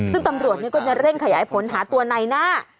ซึ่งตำรวจก็จะเร่งขยายผลหาตัวในหน้า